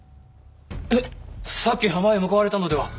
えっさっき浜へ向かわれたのでは？